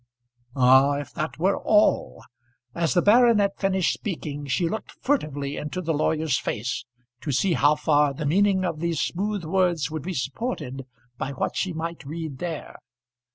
Ah, if that were all! As the baronet finished speaking she looked furtively into the lawyer's face to see how far the meaning of these smooth words would be supported by what she might read there.